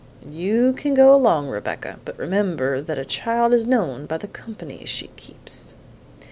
You can go along, Rebecca; but remember that a child is known by the company she keeps."